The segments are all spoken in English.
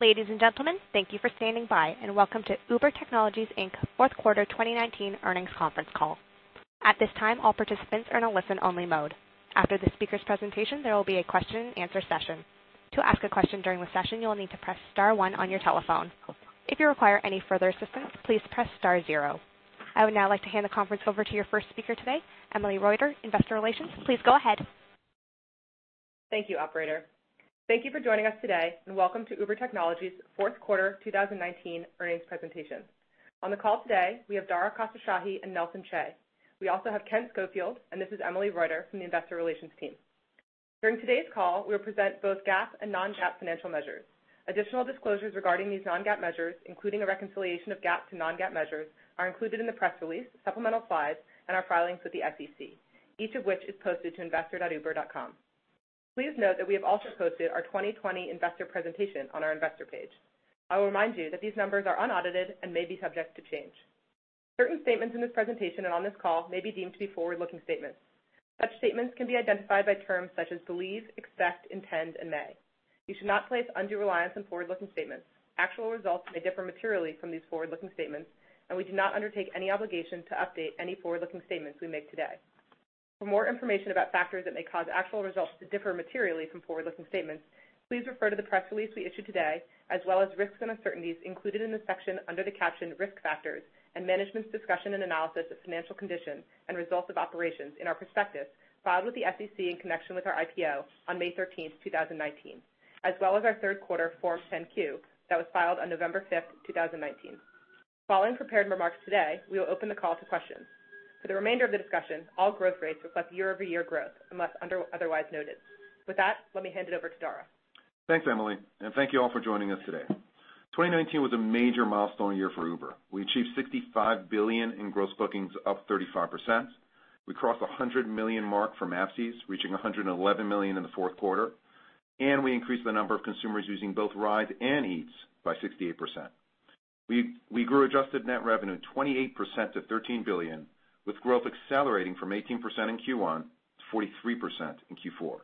Ladies and gentlemen, thank you for standing by and welcome to Uber Technologies, Inc. Fourth Quarter 2019 earnings conference call. At this time, all participants are in a listen-only mode. After the speaker's presentation, there will be a question and answer session. To ask a question during the session, you will need to press star one on your telephone. If you require any further assistance, please press star zero. I would now like to hand the conference over to your first speaker today, Emily Reuter, Head of Investor Relations. Please go ahead. Thank you, operator. Thank you for joining us today, and welcome to Uber Technologies fourth quarter 2019 earnings presentation. On the call today, we have Dara Khosrowshahi and Nelson Chai. We also have Ken Schofield, and this is Emily Reuter from the investor relations team. During today's call, we'll present both GAAP and non-GAAP financial measures. Additional disclosures regarding these non-GAAP measures, including a reconciliation of GAAP to non-GAAP measures, are included in the press release, supplemental slides, and our filings with the SEC, each of which is posted to investor.uber.com. Please note that we have also posted our 2020 investor presentation on our investor page. I will remind you that these numbers are unaudited and may be subject to change. Certain statements in this presentation and on this call may be deemed to be forward-looking statements. Such statements can be identified by terms such as believe, expect, intend, and may. You should not place undue reliance on forward-looking statements. Actual results may differ materially from these forward-looking statements, and we do not undertake any obligation to update any forward-looking statements we make today. For more information about factors that may cause actual results to differ materially from forward-looking statements, please refer to the press release we issued today, as well as risks and uncertainties included in the section under the caption Risk Factors and Management's Discussion and Analysis of Financial Conditions and Results of Operations in our prospectus filed with the SEC in connection with our IPO on May 13th, 2019, as well as our third quarter Form 10-Q that was filed on November 5th, 2019. Following prepared remarks today, we will open the call to questions. For the remainder of the discussion, all growth rates reflect YoY growth, unless otherwise noted. With that, let me hand it over to Dara. Thanks, Emily, and thank you all for joining us today. 2019 was a major milestone year for Uber. We achieved $65 billion in gross bookings, up 35%. We crossed $100 million mark for MAPCs, reaching $111 million in the fourth quarter, and we increased the number of consumers using both Rides and Eats by 68%. We grew adjusted net revenue 28% to $13 billion, with growth accelerating from 18% in Q1 to 43% in Q4.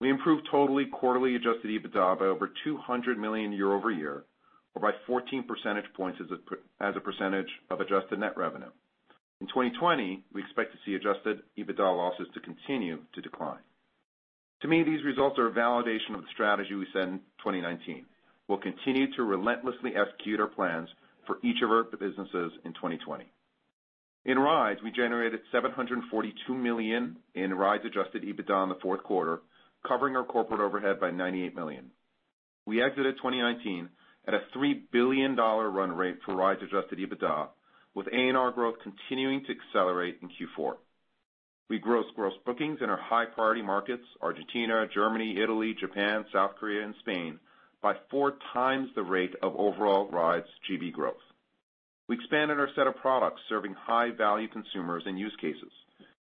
We improved totally quarterly Adjusted EBITDA by over $200 million YoY, or by 14 percentage points as a percentage of adjusted net revenue. In 2020, we expect to see Adjusted EBITDA losses to continue to decline. To me, these results are a validation of the strategy we set in 2019. We'll continue to relentlessly execute our plans for each of our businesses in 2020. In Rides, we generated $742 million in Rides Adjusted EBITDA in the fourth quarter, covering our corporate overhead by $98 million. We exited 2019 at a $3 billion run rate for Rides Adjusted EBITDA, with ANR growth continuing to accelerate in Q4. We grossed bookings in our high-priority markets, Argentina, Germany, Italy, Japan, South Korea, and Spain, by 4x the rate of overall Rides GB growth. We expanded our set of products serving high-value consumers and use cases,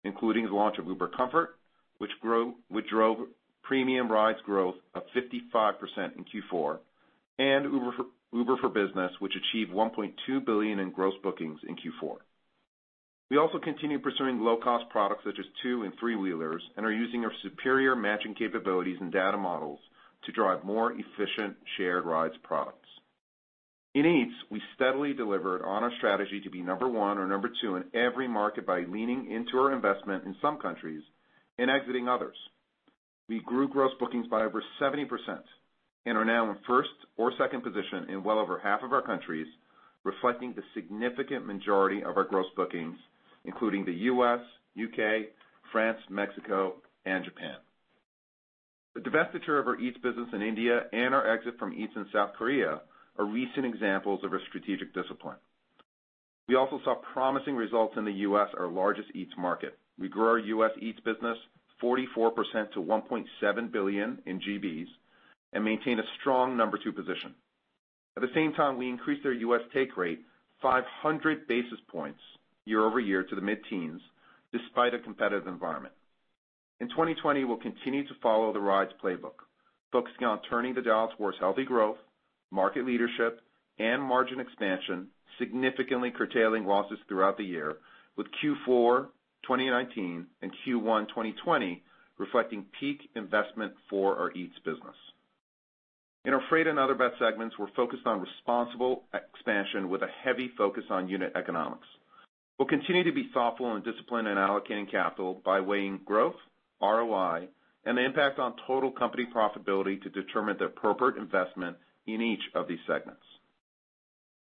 including the launch of Uber Comfort, which drove premium rides growth of 55% in Q4, and Uber for Business, which achieved $1.2 billion in gross bookings in Q4. We also continue pursuing low-cost products such as two and three-wheelers and are using our superior matching capabilities and data models to drive more efficient Shared Rides products. In Eats, we steadily delivered on our strategy to be number one or number two in every market by leaning into our investment in some countries and exiting others. We grew gross bookings by over 70% and are now in first or second position in well over half of our countries, reflecting the significant majority of our gross bookings, including the U.S., U.K., France, Mexico, and Japan. The divestiture of our Eats business in India and our exit from Eats in South Korea are recent examples of our strategic discipline. We also saw promising results in the U.S., our largest Eats market. We grew our U.S. Eats business 44% to $1.7 billion in GBs and maintained a strong number two position. At the same time, we increased our U.S. take rate 500 basis points YoY to the mid-teens despite a competitive environment. In 2020, we'll continue to follow the Rides playbook, focusing on turning the dial towards healthy growth, market leadership, and margin expansion, significantly curtailing losses throughout the year with Q4 2019 and Q1 2020 reflecting peak investment for our Eats business. In our Freight and Other Bets segments, we're focused on responsible expansion with a heavy focus on unit economics. We'll continue to be thoughtful and disciplined in allocating capital by weighing growth, ROI, and the impact on total company profitability to determine the appropriate investment in each of these segments.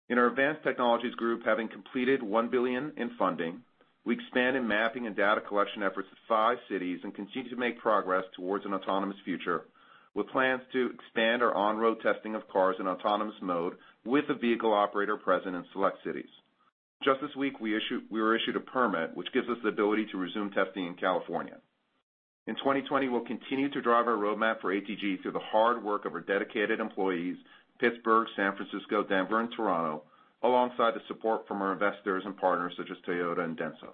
In our Advanced Technologies Group, having completed $1 billion in funding, we expanded mapping and data collection efforts to five cities and continue to make progress towards an autonomous future with plans to expand our on-road testing of cars in autonomous mode with a vehicle operator present in select cities. Just this week, we were issued a permit, which gives us the ability to resume testing in California. In 2020, we'll continue to drive our roadmap for ATG through the hard work of our dedicated employees, Pittsburgh, San Francisco, Denver, and Toronto, alongside the support from our investors and partners such as Toyota and Denso.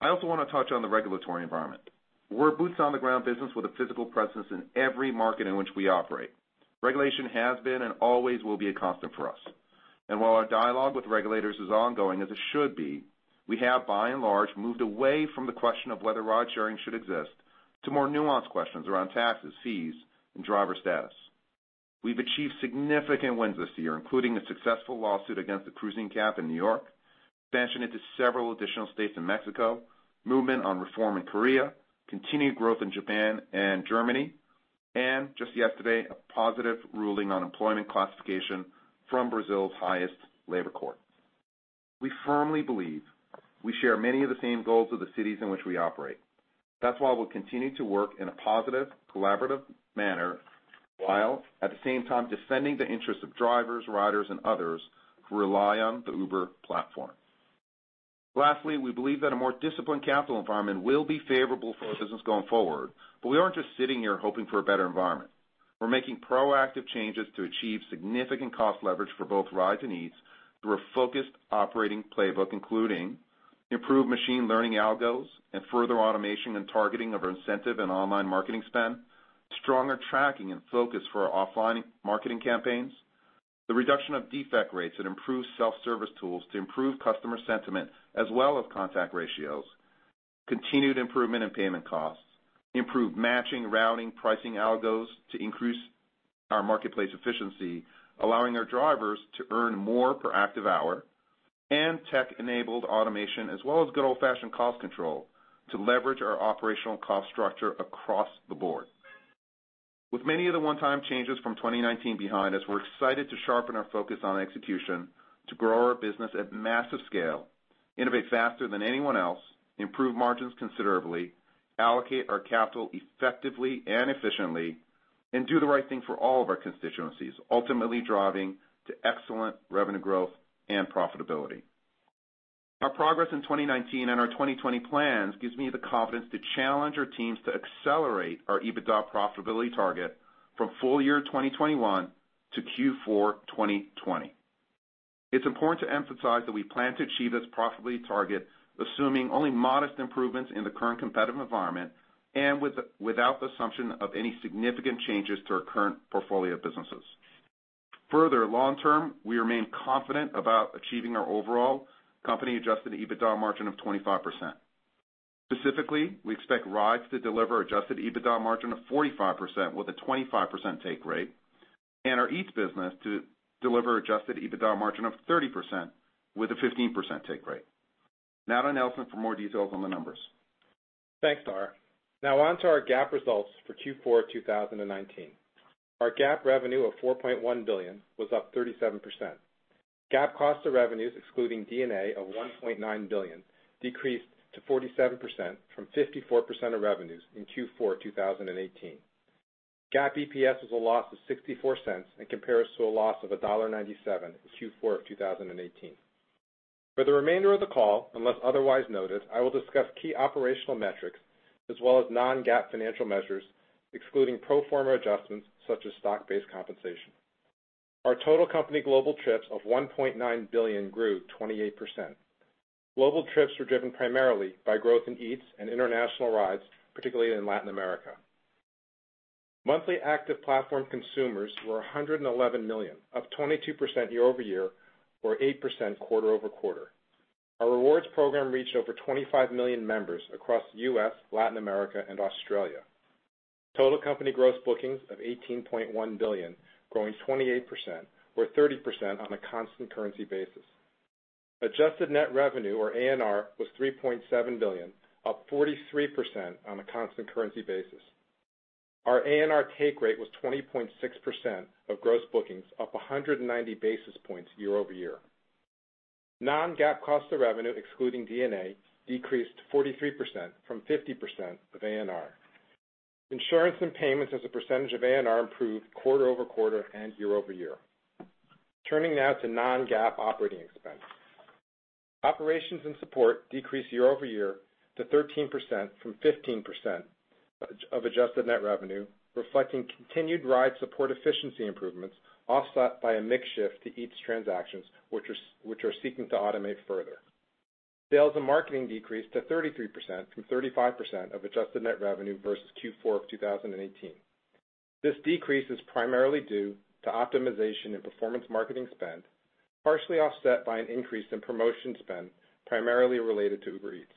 I also want to touch on the regulatory environment. We're a boots-on-the-ground business with a physical presence in every market in which we operate. Regulation has been and always will be a constant for us. While our dialogue with regulators is ongoing as it should be, we have by and large moved away from the question of whether ride-sharing should exist to more nuanced questions around taxes, fees, and driver status. We've achieved significant wins this year, including a successful lawsuit against the cruising cap in New York, expansion into several additional states in Mexico, movement on reform in Korea, continued growth in Japan and Germany, and just yesterday, a positive ruling on employment classification from Brazil's highest labor court. We firmly believe we share many of the same goals of the cities in which we operate. That's why we'll continue to work in a positive, collaborative manner, while at the same time defending the interests of drivers, riders and others who rely on the Uber platform. Lastly, we believe that a more disciplined capital environment will be favorable for our business going forward. We aren't just sitting here hoping for a better environment. We're making proactive changes to achieve significant cost leverage for both Rides and Eats through a focused operating playbook, including improved machine learning algos and further automation and targeting of our incentive and online marketing spend, stronger tracking and focus for our offline marketing campaigns, the reduction of defect rates, and improved self-service tools to improve customer sentiment as well as contact ratios, continued improvement in payment costs, improved matching, routing, pricing algos to increase our marketplace efficiency, allowing our drivers to earn more per active hour, and tech-enabled automation, as well as good old-fashioned cost control to leverage our operational cost structure across the board. With many of the one-time changes from 2019 behind us, we're excited to sharpen our focus on execution to grow our business at massive scale, innovate faster than anyone else, improve margins considerably, allocate our capital effectively and efficiently, and do the right thing for all of our constituencies, ultimately driving to excellent revenue growth and profitability. Our progress in 2019 and our 2020 plans gives me the confidence to challenge our teams to accelerate our EBITDA profitability target from full year 2021 to Q4 2020. It's important to emphasize that we plan to achieve this profitability target, assuming only modest improvements in the current competitive environment and without the assumption of any significant changes to our current portfolio of businesses. Long-term, we remain confident about achieving our overall company-Adjusted EBITDA margin of 25%. Specifically, we expect Rides to deliver Adjusted EBITDA margin of 45% with a 25% take rate, and our Eats business to deliver Adjusted EBITDA margin of 30% with a 15% take rate. Now to Nelson for more details on the numbers. Thanks, Dara. Now onto our GAAP results for Q4 2019. Our GAAP revenue of $4.1 billion was up 37%. GAAP cost of revenues excluding D&A of $1.9 billion decreased to 47% from 54% of revenues in Q4 2018. GAAP EPS was a loss of $0.64 and compares to a loss of $1.97 in Q4 2018. For the remainder of the call, unless otherwise noted, I will discuss key operational metrics as well as non-GAAP financial measures, excluding pro forma adjustments such as stock-based compensation. Our total company global trips of 1.9 billion grew 28%. Global trips were driven primarily by growth in Eats and international Rides, particularly in Latin America. Monthly active platform consumers were 111 million, up 22% YoY or 8% QoQ. Our rewards program reached over 25 million members across the U.S., Latin America, and Australia. Total company gross bookings of $18.1 billion, growing 28% or 30% on a constant currency basis. Adjusted Net Revenue or ANR was $3.7 billion, up 43% on a constant currency basis. Our ANR take rate was 20.6% of gross bookings, up 190 basis points YoY. Non-GAAP Cost of Revenue excluding D&A decreased to 43% from 50% of ANR. Insurance and payments as a percentage of ANR improved QoQ and YoY. Turning now to non-GAAP Operating Expense. Operations and Support decreased YoY to 13% from 15% of Adjusted Net Revenue, reflecting continued ride support efficiency improvements, offset by a mix shift to Eats transactions, which are seeking to automate further. Sales and Marketing decreased to 33% from 35% of Adjusted Net Revenue versus Q4 of 2018. This decrease is primarily due to optimization in performance marketing spend, partially offset by an increase in promotion spend, primarily related to Uber Eats.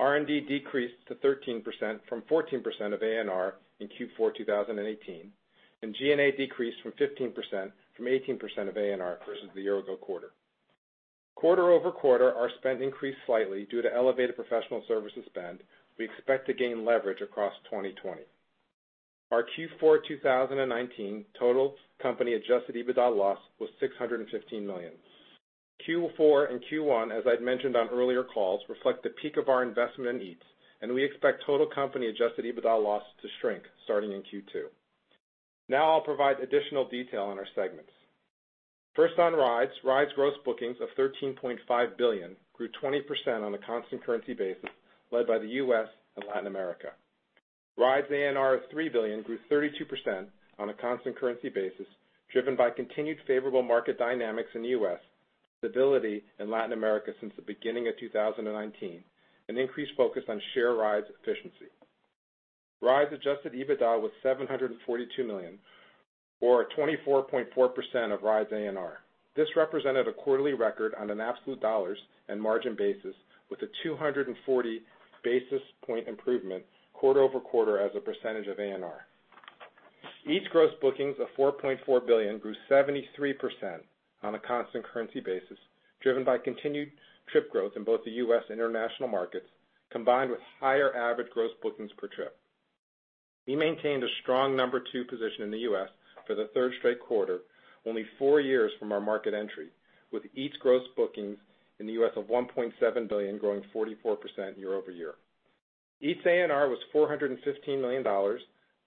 R&D decreased to 13% from 14% of ANR in Q4 2018, and G&A decreased from 15% from 18% of ANR versus the year-ago quarter. QoQ, our spend increased slightly due to elevated professional services spend. We expect to gain leverage across 2020. Our Q4 2019 total company Adjusted EBITDA loss was $615 million. Q4 and Q1, as I'd mentioned on earlier calls, reflect the peak of our investment in Eats, and we expect total company Adjusted EBITDA loss to shrink starting in Q2. Now I'll provide additional detail on our segments. First on Rides. Rides gross bookings of $13.5 billion grew 20% on a constant currency basis, led by the U.S. and Latin America. Rides ANR of $3 billion grew 32% on a constant currency basis, driven by continued favorable market dynamics in the U.S., stability in Latin America since the beginning of 2019, an increased focus on Shared Rides efficiency. Rides Adjusted EBITDA was $742 million, or 24.4% of Rides ANR. This represented a quarterly record on an absolute dollars and margin basis with a 240 basis point improvement QoQ as a percentage of ANR. Eats gross bookings of $4.4 billion grew 73% on a constant currency basis, driven by continued trip growth in both the U.S. and international markets, combined with higher average gross bookings per trip. We maintained a strong number two position in the U.S. for the third straight quarter, only four years from our market entry, with Eats gross bookings in the U.S. of $1.7 billion growing 44% YoY. Eats ANR was $415 million,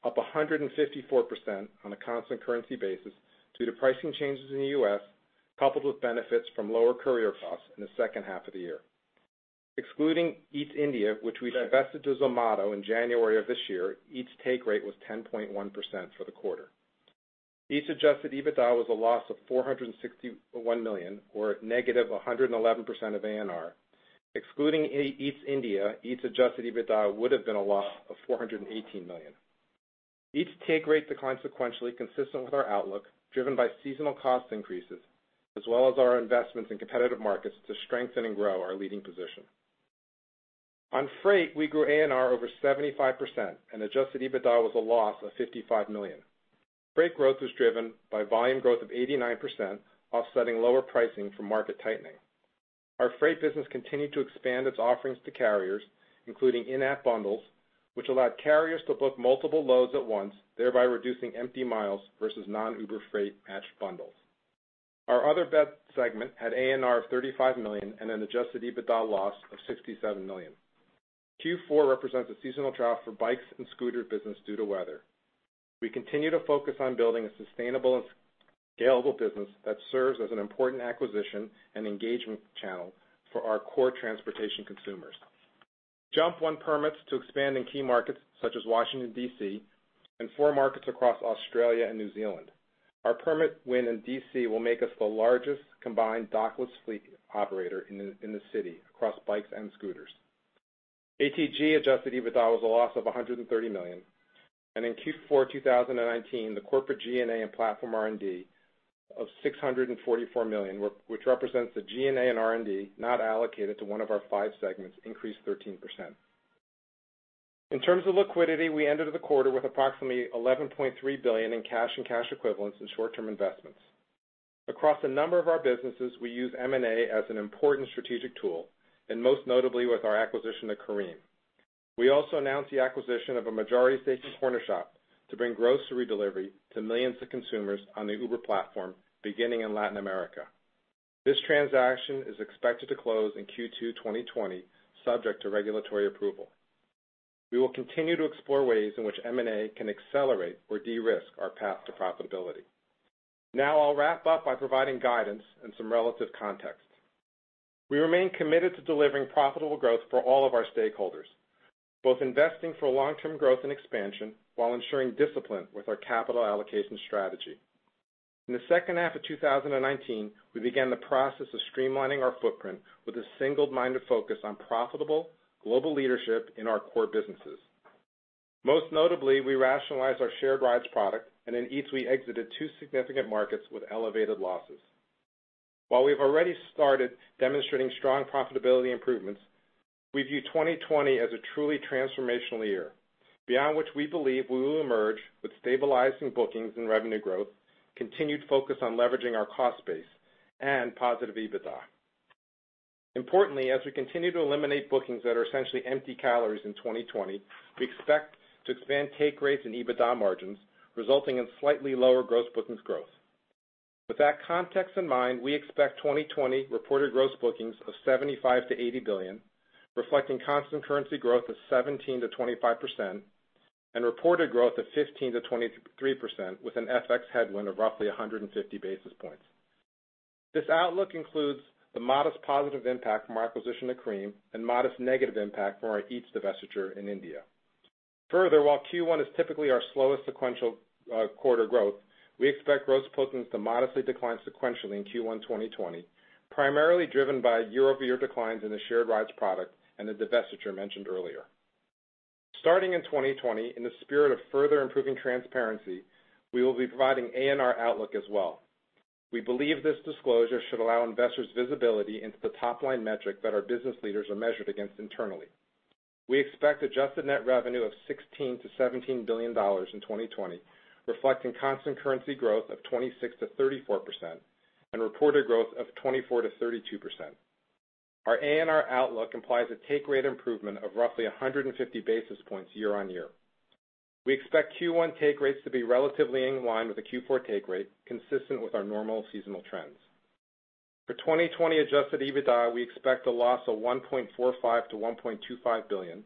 up 154% on a constant currency basis due to pricing changes in the U.S., coupled with benefits from lower courier costs in the second half of the year. Excluding Eats India, which we divested to Zomato in January of this year, Eats take rate was 10.1% for the quarter. Eats Adjusted EBITDA was a loss of $461 million, or negative 111% of ANR. Excluding Eats India, Eats Adjusted EBITDA would have been a loss of $418 million. Eats take rates are consequentially consistent with our outlook, driven by seasonal cost increases as well as our investments in competitive markets to strengthen and grow our leading position. On Freight, we grew ANR over 75% and Adjusted EBITDA was a loss of $55 million. Freight growth was driven by volume growth of 89%, offsetting lower pricing from market tightening. Our Freight business continued to expand its offerings to carriers, including in-app bundles, which allowed carriers to book multiple loads at once, thereby reducing empty miles versus non-Uber Freight patched bundles. Our Other Bets segment had ANR of $35 million and an Adjusted EBITDA loss of $67 million. Q4 represents a seasonal trial for bikes and scooter business due to weather. We continue to focus on building a sustainable and scalable business that serves as an important acquisition and engagement channel for our core transportation consumers. Jump won permits to expand in key markets such as Washington, D.C., and four markets across Australia and New Zealand. Our permit win in D.C. will make us the largest combined dockless fleet operator in the city across bikes and scooters. ATG Adjusted EBITDA was a loss of $130 million, and in Q4 2019, the corporate G&A and platform R&D of $644 million, which represents the G&A and R&D not allocated to one of our five segments, increased 13%. In terms of liquidity, we ended the quarter with approximately $11.3 billion in cash and cash equivalents in short-term investments. Across a number of our businesses, we use M&A as an important strategic tool, and most notably with our acquisition of Careem. We also announced the acquisition of a majority stake in Cornershop to bring grocery delivery to millions of consumers on the Uber platform, beginning in Latin America. This transaction is expected to close in Q2 2020, subject to regulatory approval. We will continue to explore ways in which M&A can accelerate or de-risk our path to profitability. I'll wrap up by providing guidance and some relative context. We remain committed to delivering profitable growth for all of our stakeholders, both investing for long-term growth and expansion while ensuring discipline with our capital allocation strategy. In the second half of 2019, we began the process of streamlining our footprint with a single-minded focus on profitable global leadership in our core businesses. Most notably, we rationalized our Shared Rides product, and in Eats, we exited two significant markets with elevated losses. While we've already started demonstrating strong profitability improvements, we view 2020 as a truly transformational year, beyond which we believe we will emerge with stabilizing bookings and revenue growth, continued focus on leveraging our cost base, and positive EBITDA. Importantly, as we continue to eliminate bookings that are essentially empty calories in 2020, we expect to expand take rates and EBITDA margins, resulting in slightly lower gross bookings growth. With that context in mind, we expect 2020 reported gross bookings of $75 billion-$80 billion, reflecting constant currency growth of 17%-25%, and reported growth of 15%-23% with an FX headwind of roughly 150 basis points. This outlook includes the modest positive impact from our acquisition of Careem and modest negative impact from our Eats divestiture in India. Further, while Q1 is typically our slowest sequential quarter growth, we expect gross bookings to modestly decline sequentially in Q1 2020, primarily driven by YoY declines in the Shared Rides product and the divestiture mentioned earlier. Starting in 2020, in the spirit of further improving transparency we will be providing ANR outlook as well. We believe this disclosure should allow investors visibility into the top-line metric that our business leaders are measured against internally. We expect adjusted net revenue of $16 billion-$17 billion in 2020, reflecting constant currency growth of 26%-34%, and reported growth of 24%-32%. Our ANR outlook implies a take rate improvement of roughly 150 basis points year-on-year. We expect Q1 take rates to be relatively in line with the Q4 take rate, consistent with our normal seasonal trends. For 2020 Adjusted EBITDA, we expect a loss of $1.45 billion-$1.25 billion.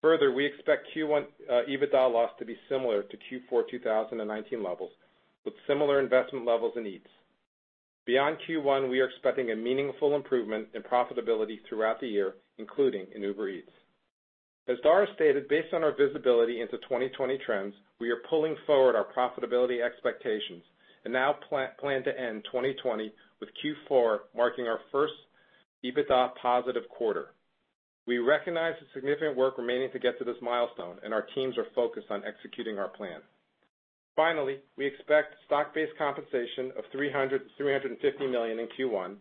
Further, we expect Q1 EBITDA loss to be similar to Q4 2019 levels, with similar investment levels in Eats. Beyond Q1, we are expecting a meaningful improvement in profitability throughout the year, including in Uber Eats. As Dara stated, based on our visibility into 2020 trends, we are pulling forward our profitability expectations and now plan to end 2020 with Q4 marking our first EBITDA positive quarter. We recognize the significant work remaining to get to this milestone, and our teams are focused on executing our plan. Finally, we expect stock-based compensation of $300 million-$350 million in Q1,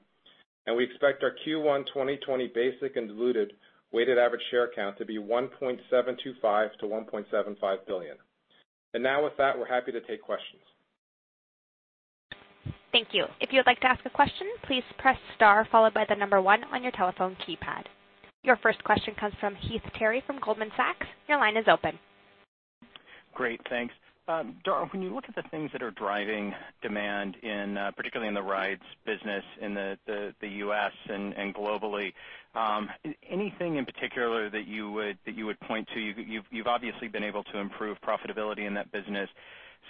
and we expect our Q1 2020 basic and diluted weighted average share count to be $1.725 billion-$1.75 billion. Now with that, we're happy to take questions. Thank you. If you would like to ask a question, please press star followed by 1 on your telephone keypad. Your first question comes from Heath Terry from Goldman Sachs. Your line is open. Great. Thanks. Dara, when you look at the things that are driving demand, particularly in the Rides business in the U.S. and globally, anything in particular that you would point to? You've obviously been able to improve profitability in that business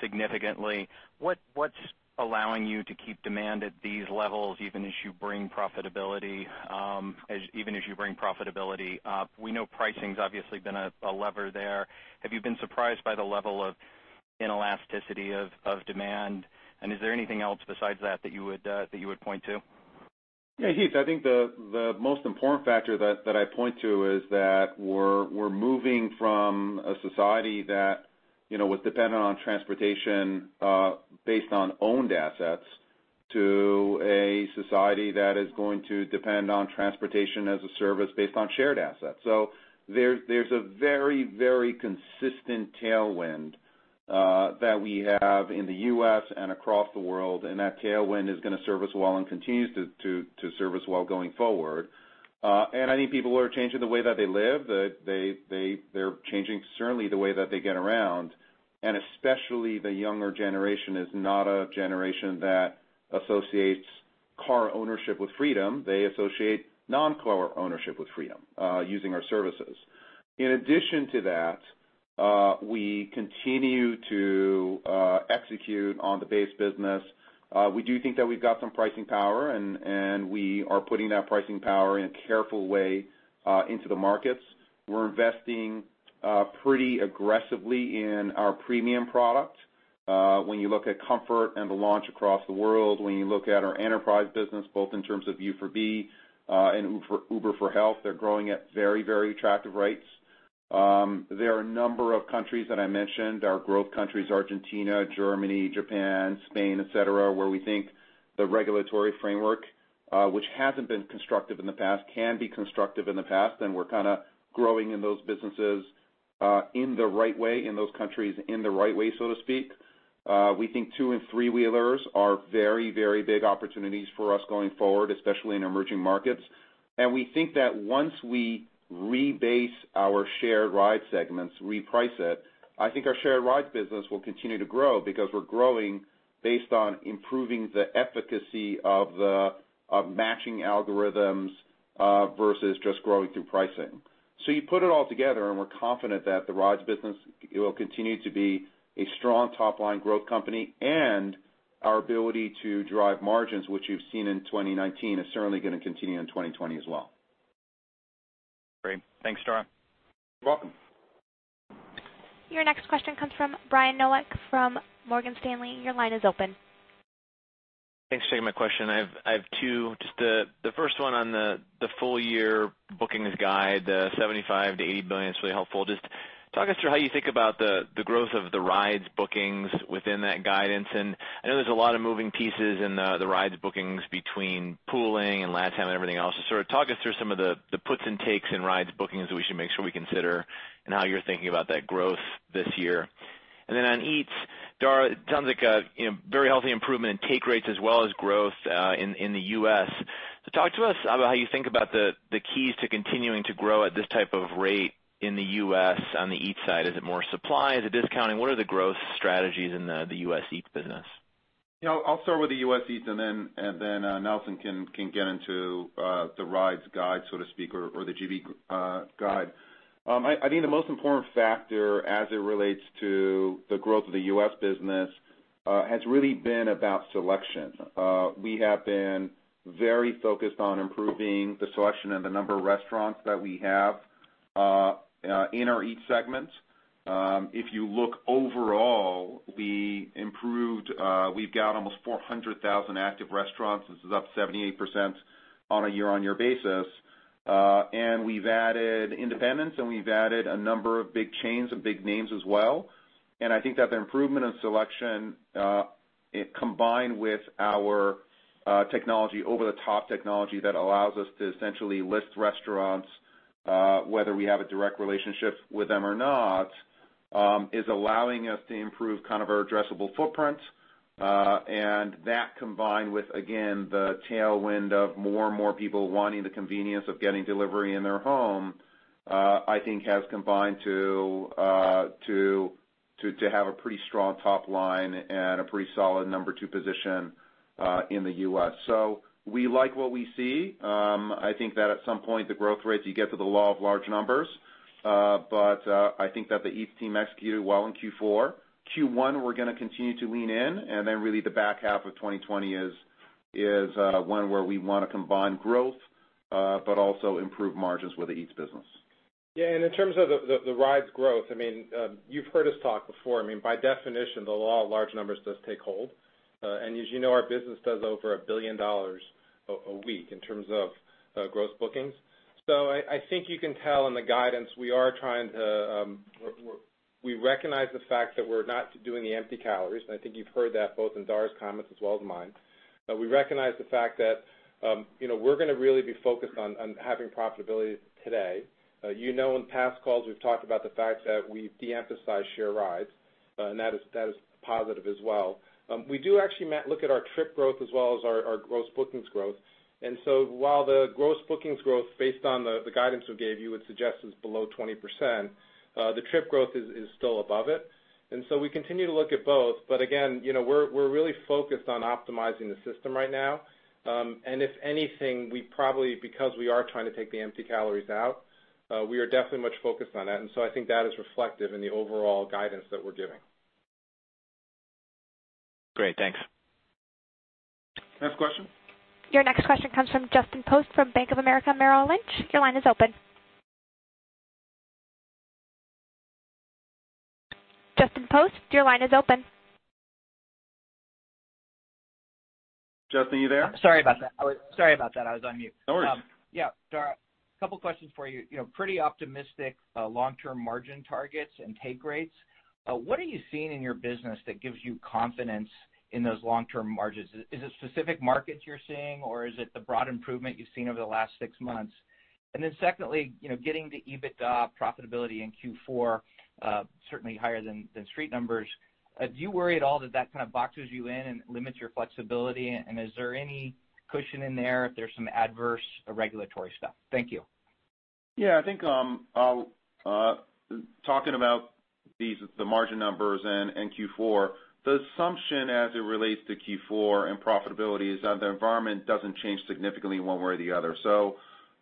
significantly. What's allowing you to keep demand at these levels even as you bring profitability up? We know pricing's obviously been a lever there. Have you been surprised by the level of inelasticity of demand, and is there anything else besides that you would point to? Heath, I think the most important factor that I'd point to is that we're moving from a society that was dependent on transportation based on owned assets to a society that is going to depend on transportation as a service based on shared assets. There's a very consistent tailwind that we have in the U.S. and across the world, and that tailwind is going to serve us well and continues to serve us well going forward. I think people are changing the way that they live. They're changing, certainly, the way that they get around, and especially the younger generation is not a generation that associates car ownership with freedom. They associate non-car ownership with freedom, using our services. In addition to that, we continue to execute on the base business. We do think that we've got some pricing power, and we are putting that pricing power in a careful way into the markets. We're investing pretty aggressively in our premium product. When you look at Comfort and the launch across the world, when you look at our enterprise business, both in terms of U for B, and Uber for Health, they're growing at very attractive rates. There are a number of countries that I mentioned, our growth countries, Argentina, Germany, Japan, Spain, et cetera, where we think the regulatory framework, which hasn't been constructive in the past, can be constructive in the past. We're kind of growing in those businesses in the right way, in those countries, in the right way, so to speak. We think two- and three-wheelers are very big opportunities for us going forward, especially in emerging markets. We think that once we rebase our Shared Rides segments, reprice it, I think our Shared Rides business will continue to grow because we're growing based on improving the efficacy of matching algorithms, versus just growing through pricing. You put it all together, and we're confident that the Rides business will continue to be a strong top-line growth company, and our ability to drive margins, which you've seen in 2019, is certainly going to continue in 2020 as well. Great. Thanks, Dara. You're welcome. Your next question comes from Brian Nowak from Morgan Stanley. Your line is open. Thanks for taking my question. I have two. The first one on the full-year bookings guide, the $75 billion-$80 billion is really helpful. Talk us through how you think about the growth of the Rides bookings within that guidance. I know there's a lot of moving pieces in the Rides bookings between pooling and last-mile and everything else. Sort of talk us through some of the puts and takes in Rides bookings that we should make sure we consider and how you're thinking about that growth this year. On Eats, Dara, it sounds like a very healthy improvement in take rates as well as growth in the U.S. Talk to us about how you think about the keys to continuing to grow at this type of rate in the U.S. on the Eats side. Is it more supply? Is it discounting? What are the growth strategies in the U.S. Eats business? I'll start with the U.S. Eats, then Nelson can get into the Rides guide, so to speak, or the GB guide. I think the most important factor as it relates to the growth of the U.S. business, has really been about selection. We have been very focused on improving the selection and the number of restaurants that we have in our Eats segments. If you look overall, we've got almost 400,000 active restaurants. This is up 78% on a year-on-year basis. We've added independents, and we've added a number of big chains and big names as well. I think that the improvement in selection, combined with our technology, over-the-top technology that allows us to essentially list restaurants, whether we have a direct relationship with them or not, is allowing us to improve our addressable footprint. That combined with, again, the tailwind of more and more people wanting the convenience of getting delivery in their home, I think has combined to have a pretty strong top line and a pretty solid number two position in the U.S. We like what we see. I think that at some point, the growth rates, you get to the law of large numbers. I think that the Eats team executed well in Q4. Q1, we're going to continue to lean in, then really the back half of 2020 is one where we want to combine growth, but also improve margins with the Eats business. In terms of the Rides growth, you've heard us talk before. By definition, the law of large numbers does take hold. As you know, our business does over $1 billion a week in terms of gross bookings. I think you can tell in the guidance, we recognize the fact that we're not doing the empty calories, and I think you've heard that both in Dara's comments as well as mine. We recognize the fact that we're going to really be focused on having profitability today. You know, in past calls, we've talked about the fact that we de-emphasize Shared Rides, and that is positive as well. We do actually look at our trip growth as well as our gross bookings growth. While the gross bookings growth, based on the guidance we gave you, would suggest is below 20%, the trip growth is still above it. We continue to look at both, but again, we're really focused on optimizing the system right now. If anything, we probably, because we are trying to take the empty calories out, we are definitely much focused on that. I think that is reflective in the overall guidance that we're giving. Great. Thanks. Next question. Your next question comes from Justin Post from Bank of America Merrill Lynch. Your line is open. Justin Post, your line is open. Justin, are you there? Sorry about that. I was on mute. No worries. Yeah, Dara, a couple of questions for you. Pretty optimistic long-term margin targets and take rates. What are you seeing in your business that gives you confidence in those long-term margins? Is it specific markets you're seeing, or is it the broad improvement you've seen over the last six months? Secondly, getting to EBITDA profitability in Q4, certainly higher than street numbers. Do you worry at all that that kind of boxes you in and limits your flexibility? Is there any cushion in there if there's some adverse regulatory stuff? Thank you. I think, talking about the margin numbers and Q4, the assumption as it relates to Q4 and profitability is that the environment doesn't change significantly one way or the other.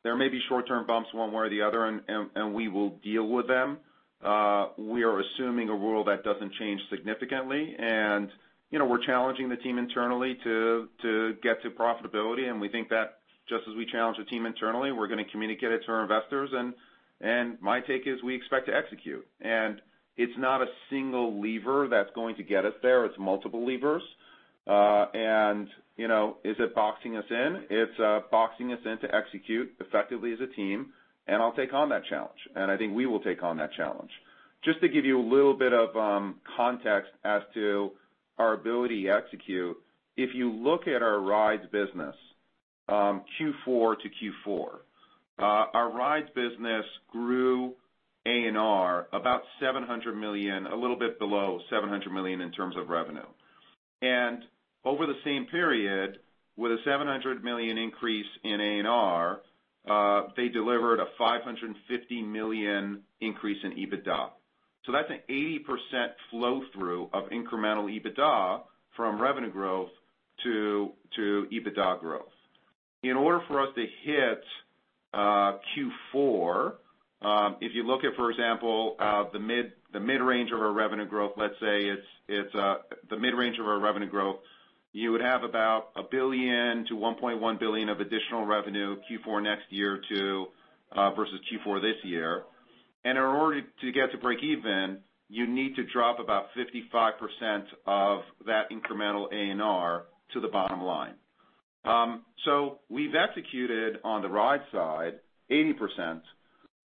There may be short-term bumps one way or the other, and we will deal with them. We are assuming a world that doesn't change significantly. We're challenging the team internally to get to profitability. We think that just as we challenge the team internally, we're going to communicate it to our investors. My take is we expect to execute. It's not a single lever that's going to get us there. It's multiple levers. Is it boxing us in? It's boxing us in to execute effectively as a team. I'll take on that challenge. I think we will take on that challenge. Just to give you a little bit of context as to our ability to execute, if you look at our Rides business, Q4 to Q4. Our Rides business grew ANR about $700 million, a little bit below $700 million in terms of revenue. Over the same period, with a $700 million increase in ANR, they delivered a $550 million increase in EBITDA. That's an 80% flow-through of incremental EBITDA from revenue growth to EBITDA growth. In order for us to hit Q4, if you look at, for example, the mid-range of our revenue growth, you would have about $1 billion to $1.1 billion of additional revenue Q4 next year versus Q4 this year. In order to get to break even, you need to drop about 55% of that incremental ANR to the bottom line. We've executed on the ride side 80%.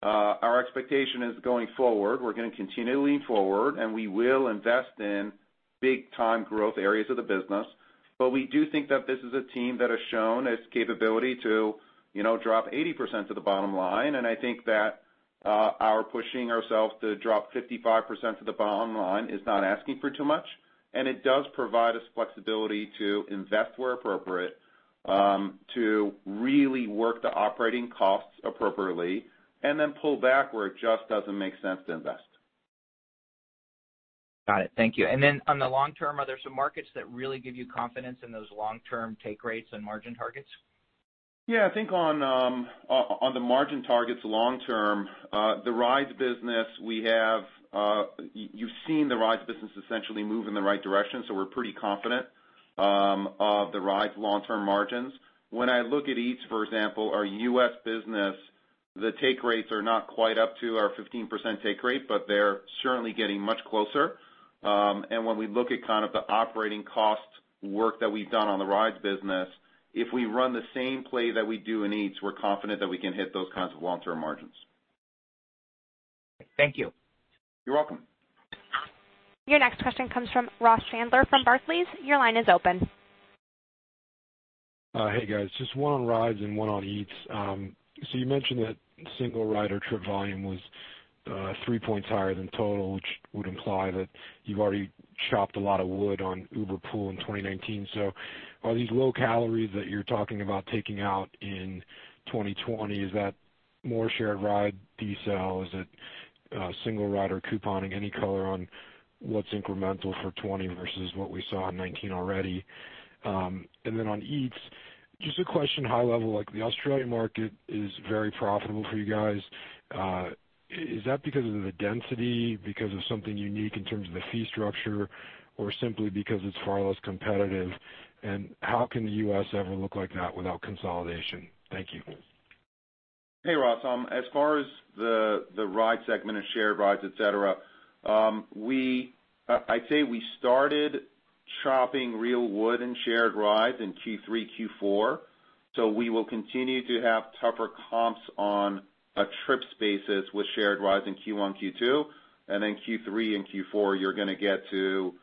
Our expectation is going forward, we're going to continue to lean forward, and we will invest in big-time growth areas of the business. We do think that this is a team that has shown its capability to drop 80% to the bottom line, and I think that our pushing ourselves to drop 55% to the bottom line is not asking for too much, and it does provide us flexibility to invest where appropriate, to really work the operating costs appropriately, and then pull back where it just doesn't make sense to invest. Got it. Thank you. Then on the long term, are there some markets that really give you confidence in those long-term take rates and margin targets? Yeah, I think on the margin targets long-term, you've seen the Rides business essentially move in the right direction, so we're pretty confident of the Rides long-term margins. When I look at Eats, for example, our U.S. business, the take rates are not quite up to our 15% take rate, but they're certainly getting much closer. When we look at kind of the operating cost work that we've done on the Rides business, if we run the same play that we do in Eats, we're confident that we can hit those kinds of long-term margins. Thank you. You're welcome. Your next question comes from Ross Sandler from Barclays. Your line is open. Hey, guys. Just one on Rides and one on Eats. You mentioned that single rider trip volume was 3 points higher than total, which would imply that you've already chopped a lot of wood on Uber Pool in 2019. Are these low calories that you're talking about taking out in 2020, is that more Shared Rides details? Is it single rider couponing? Any color on what's incremental for 2020 versus what we saw in 2019 already? On Eats, just a question high level, like the Australia market is very profitable for you guys. Is that because of the density, because of something unique in terms of the fee structure, or simply because it's far less competitive? How can the U.S. ever look like that without consolidation? Thank you. Hey, Ross. As far as the ride segment and Shared Rides, et cetera, I'd say we started chopping real wood and Shared Rides in Q3, Q4. We will continue to have tougher comps on a trips basis with Shared Rides in Q1, Q2, and then Q3 and Q4, you're going to get to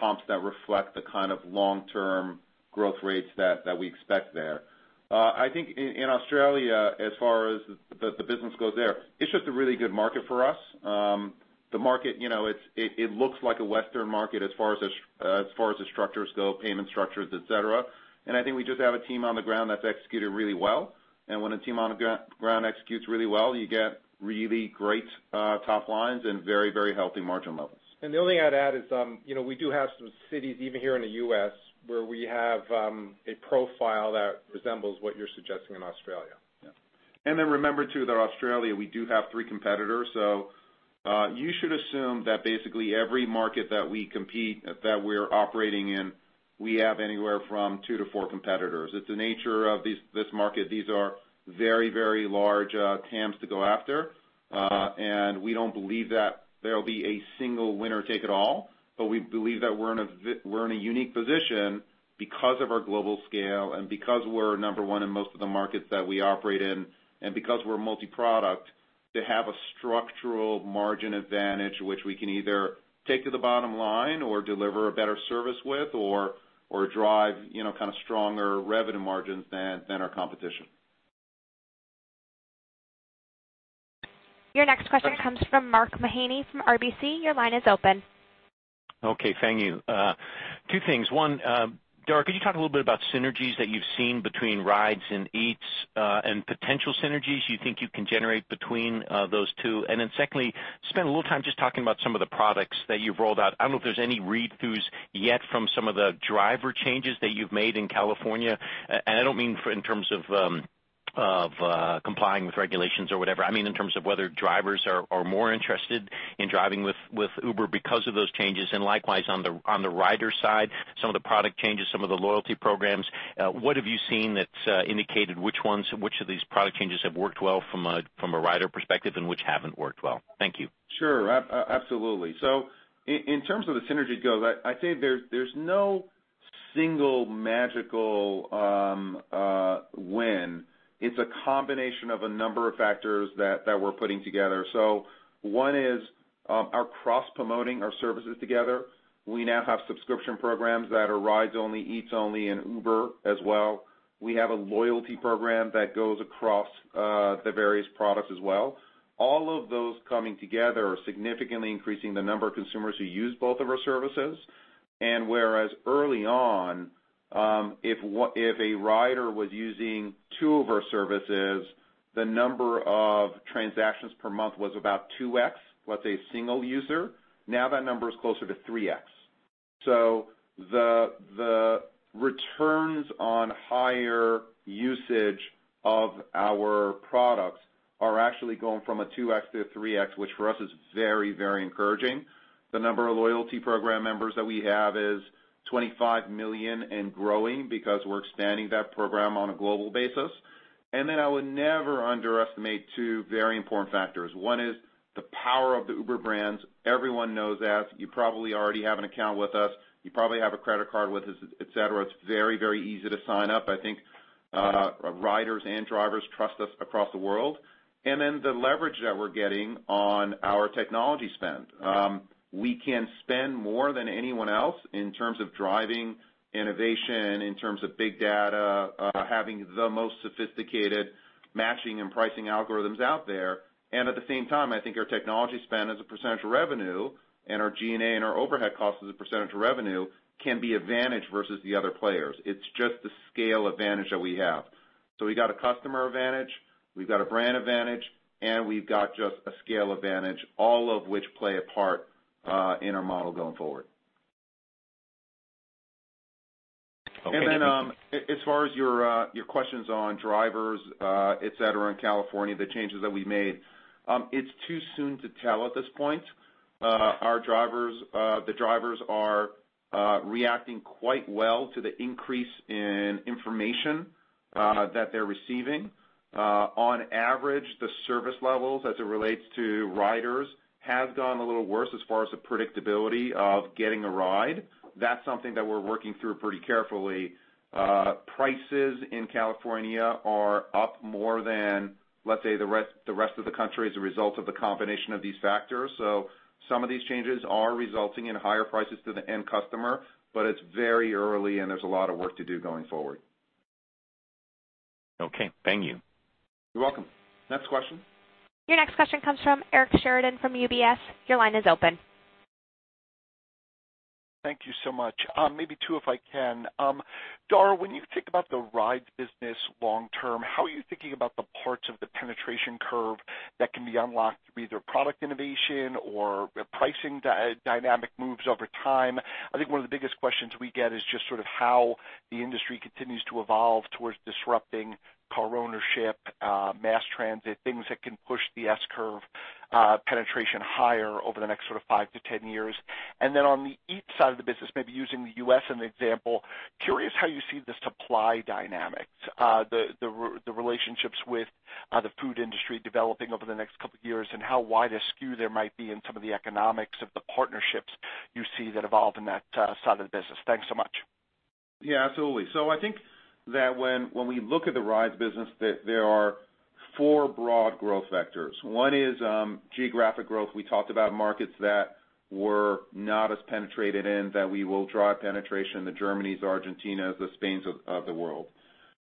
comps that reflect the kind of long-term growth rates that we expect there. I think in Australia, as far as the business goes there, it's just a really good market for us. The market, it looks like a Western market as far as the structures go, payment structures, et cetera. I think we just have a team on the ground that's executed really well. When a team on the ground executes really well, you get really great top lines and very healthy margin levels. The only thing I'd add is, we do have some cities, even here in the U.S., where we have a profile that resembles what you're suggesting in Australia. Yeah. Remember, too, that Australia, we do have three competitors. You should assume that basically every market that we compete, that we're operating in, we have anywhere from two to four competitors. It's the nature of this market. These are very large TAMs to go after. We don't believe that there'll be a single winner take it all. We believe that we're in a unique position because of our global scale and because we're number one in most of the markets that we operate in, and because we're multi-product to have a structural margin advantage, which we can either take to the bottom line or deliver a better service with or drive kind of stronger revenue margins than our competition. Your next question comes from Mark Mahaney from RBC. Your line is open. Okay. Thank you. Two things. One, Dara, could you talk a little bit about synergies that you've seen between Rides and Eats, and potential synergies you think you can generate between those two? Secondly, spend a little time just talking about some of the products that you've rolled out. I don't know if there's any read-throughs yet from some of the driver changes that you've made in California. I don't mean in terms of complying with regulations or whatever. I mean, in terms of whether drivers are more interested in driving with Uber because of those changes, and likewise on the rider side, some of the product changes, some of the loyalty programs. What have you seen that's indicated which of these product changes have worked well from a rider perspective and which haven't worked well? Thank you. Sure. Absolutely. In terms where the synergy goes, I'd say there's no single magical win. It's a combination of a number of factors that we're putting together. One is, our cross-promoting our services together. We now have subscription programs that are Rides only, Eats only, and Uber as well. We have a loyalty program that goes across the various products as well. All of those coming together are significantly increasing the number of consumers who use both of our services. Whereas early on, if a rider was using two of our services, the number of transactions per month was about 2x, let's say a single user. Now that number is closer to 3x. The returns on higher usage of our products are actually going from a 2x to a 3x, which for us is very encouraging. The number of loyalty program members that we have is 25 million and growing because we're expanding that program on a global basis. I would never underestimate two very important factors. One is the power of the Uber brands. Everyone knows that. You probably already have an account with us. You probably have a credit card with us, et cetera. It's very easy to sign up. I think riders and drivers trust us across the world. The leverage that we're getting on our technology spend. We can spend more than anyone else in terms of driving innovation, in terms of big data, having the most sophisticated matching and pricing algorithms out there. I think our technology spend as a percentage of revenue and our G&A and our overhead cost as a percentage of revenue can be advantage versus the other players. It's just the scale advantage that we have. We got a customer advantage, we've got a brand advantage, and we've got just a scale advantage, all of which play a part in our model going forward. Okay. As far as your questions on drivers, et cetera, in California, the changes that we made, it's too soon to tell at this point. The drivers are reacting quite well to the increase in information that they're receiving. On average, the service levels as it relates to riders have gone a little worse as far as the predictability of getting a ride. That's something that we're working through pretty carefully. Prices in California are up more than, let's say, the rest of the country as a result of the combination of these factors. Some of these changes are resulting in higher prices to the end customer, but it's very early and there's a lot of work to do going forward. Okay. Thank you. You're welcome. Next question. Your next question comes from Eric Sheridan from UBS. Your line is open. Thank you so much. Maybe two, if I can. Dara, when you think about the Rides business long term, how are you thinking about the parts of the penetration curve that can be unlocked through either product innovation or pricing dynamic moves over time? I think one of the biggest questions we get is just sort of how the industry continues to evolve towards disrupting car ownership, mass transit, things that can push the S-curve penetration higher over the next sort of five to 10 years. On the Eats side of the business, maybe using the U.S. as an example, curious how you see the supply dynamics, the relationships with the food industry developing over the next couple of years, and how wide a skew there might be in some of the economics of the partnerships you see that evolved in that side of the business. Thanks so much. Absolutely. I think that when we look at the Rides business, there are four broad growth vectors. One is geographic growth. We talked about markets that were not as penetrated in, that we will drive penetration, the Germanys, Argentinas, the Spains of the world.